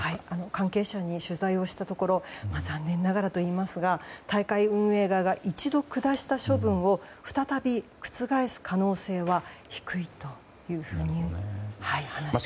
関係者に取材をしたところ残念ながらといいますか大会運営側が一度下した処分を再び覆す可能性は低いと話していました。